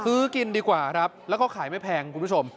ซื้อกินดีกว่าครับแล้วเขาขายไม่แพงคุณผู้ชม